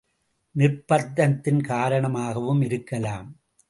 நிர்பந்தத்தின் காரணமாகவும் இருக்கலாம்.